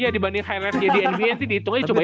iya dibanding high rate di nba dihitung aja coba ya